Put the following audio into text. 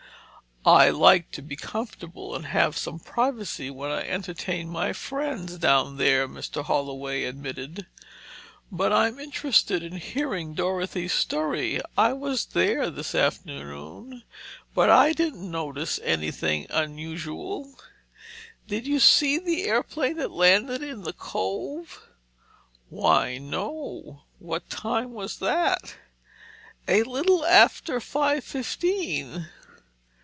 "I like to be comfortable and have some privacy when I entertain my friends down there," Mr. Holloway admitted. "But I'm interested in hearing Dorothy's story. I was there this afternoon, but I didn't notice anything unusual." "Did you see the airplane that landed in the cove?" "Why, no. What time was that?" "A little after five fifteen."